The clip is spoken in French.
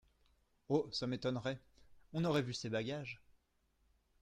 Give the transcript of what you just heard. Oh ! ça m’étonnerait, on aurait vu ses bagages.